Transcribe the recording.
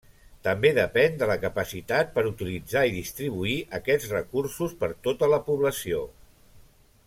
També depèn de la capacitat per utilitzar i distribuir aquests recursos per tota la població.